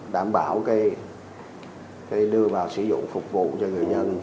đảm bảo đưa vào sử dụng phục vụ cho người dân